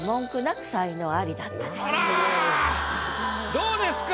どうですか？